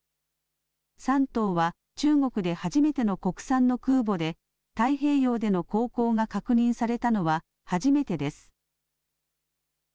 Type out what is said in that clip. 山東は中国で初めての国産の空母で太平洋での航行が確認されたのは初めてです。